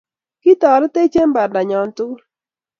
Toretech eng bandanyo tugul